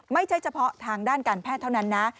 ไม่ใช่เฉพาะทางด้านการแพทย์เท่านั้นนะ